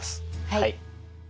はい。